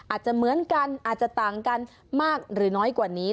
อาจจะเหมือนกันอาจจะต่างกันมากหรือน้อยกว่านี้